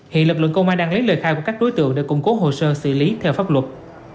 hiện lực lượng công an đang lấy lời khai của các đối tượng để củng cố hồ sơ xử lý theo pháp luật